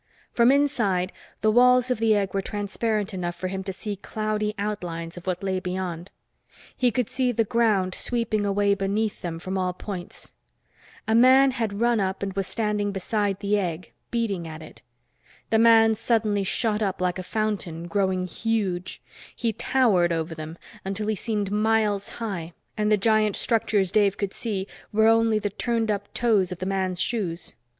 From inside, the walls of the egg were transparent enough for him to see cloudy outlines of what lay beyond. He could see the ground sweeping away beneath them from all points. A man had run up and was standing beside the egg, beating at it. The man suddenly shot up like a fountain, growing huge; he towered over them, until he seemed miles high and the giant structures Dave could see were only the turned up toes of the man's shoes.